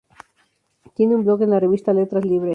Tiene un blog en la revista "Letras Libres".